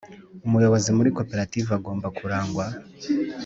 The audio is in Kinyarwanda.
Umuyobozi muri Koperative agomba kurangwa